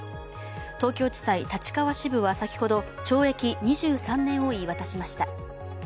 東京地裁立川支部は先ほど懲役２３年を言い渡しました。